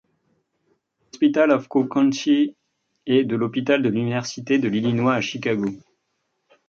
Hospital of Cook County et de l'hôpital de l'Université de l'Illinois à Chicago.